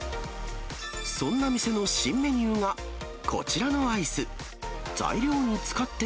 そんな店の新メニューが、こちらのアイス。